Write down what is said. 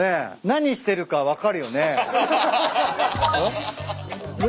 何してるか分かるよね。